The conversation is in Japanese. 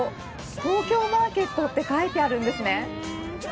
東京マーケットって書いてあるんですね。